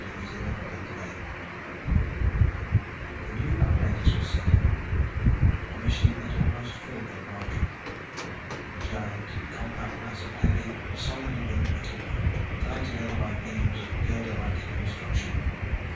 Wilson went inside. CHAPTER FOUR The new apparatus was set up, a machine that almost filled the laboratory ... a giant, compact mass of heavy, solidly built metal work, tied together by beams of girderlike construction.